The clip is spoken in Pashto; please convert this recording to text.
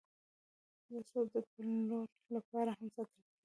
پسه د پلور لپاره هم ساتل کېږي.